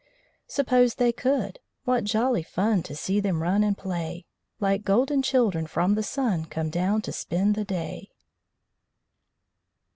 Suppose they could! What jolly fun To see them run and play! Like golden children from the sun, Come down to spend the day.